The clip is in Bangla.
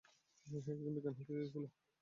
সে একজন বিজ্ঞানী হতে চেয়েছিল।